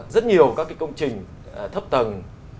rất nhiều các cái công trình thấp tầng